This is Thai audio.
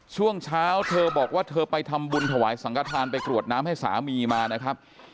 ช่วงเช้าเธอบอกว่าเธอไปทำบุญถวายสังกฐานไปกรวดน้ำให้สามีมานะครับ